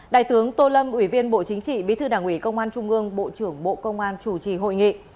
đại tướng tô lâm ủy viên bộ chính trị bí thư đảng ủy công an trung ương bộ trưởng bộ công an chủ trì hội nghị